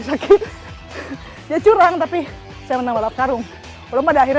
ya menang walaupun tadi sakit curang tapi saya menang balap karung belum ada akhirnya